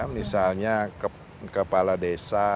misalnya kepala desa